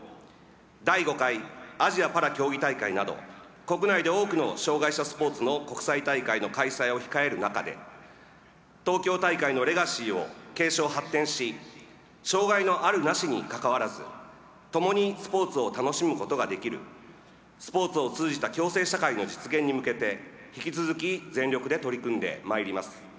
第５回アジアパラ競技大会など国内で多くの障害者スポーツの国際競技大会の開催を控える中で東京大会のレガシーを継承・発展し障害のある・なしにかかわらずともにスポーツを楽しむことができる、スポーツを通じた共生社会の実現に向けて引き続き全力で取り組んでまいります。